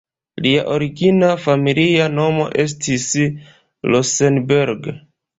Lia origina familia nomo estis "Rosenberg".